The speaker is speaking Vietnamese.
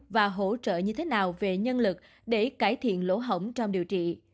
và hỗ trợ như thế nào về nhân lực để cải thiện lỗ hỏng trong điều trị